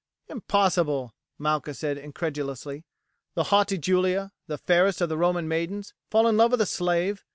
"Impossible!" Malchus said incredulously. "The haughty Julia, the fairest of the Roman maidens, fall in love with a slave!